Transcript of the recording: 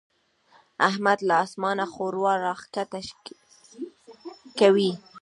احمد له اسمانه ښوروا راکښته کوي.